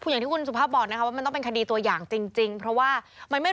อย่างที่คุณสุภาพบอกนะครับ